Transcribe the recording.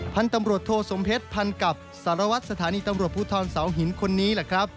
พันธุ์ตำรวจโทสมเพชรพันธุ์กับสารวัตรสถานีตำรวจผู้ทอดปฮสหินทร์คนนี้เลยครับ